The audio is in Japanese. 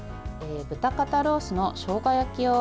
豚肩ロースのしょうが焼き用。